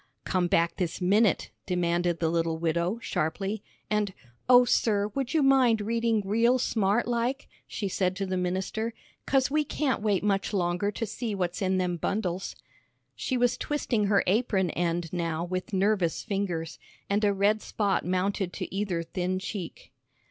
"Come back this minute," demanded the little widow, sharply. "And, oh, sir, would you mind reading real smart like," she said to the minister, "'cause we can't wait much longer to see what's in them bundles." She was twisting her apron end now with nervous fingers, and a red spot mounted to either thin cheek.